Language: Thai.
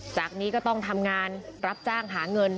จากนี้ก็ต้องทำงานรับจ้างหาเงิน